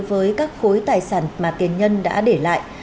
với tài sản mà tiền nhân đã để lại